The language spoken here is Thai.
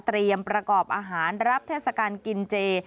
ประกอบอาหารรับเทศกาลกินเจ